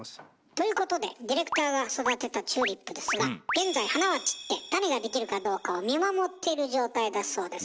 ということでディレクターが育てたチューリップですが現在花は散って種が出来るかどうかを見守っている状態だそうです。